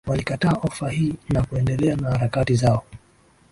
walikataa ofa hii na kuendelea na harakati zao